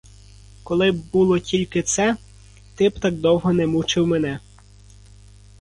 Коли б було тільки це, ти б так довго не мучив мене.